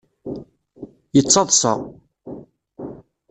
Yettaḍṣa.